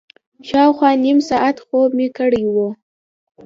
شاوخوا نیم ساعت خوب مې کړی و.